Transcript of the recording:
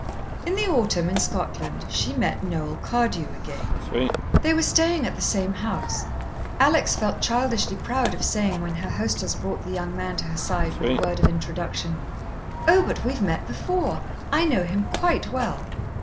In the autumn, in Scotland, she met Noel Cardew again. They were staying at the same house. Alex felt childishly proud of saying, when her hostess brought the young man to her side, with a word of introduction: "Oh, but we've met before! I know him quite well."